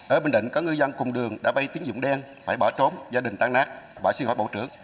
ở bình định có ngư dân cùng đường đã bay tiếng dụng đen phải bỏ trốn gia đình tan nát bỏ xin hỏi bộ trưởng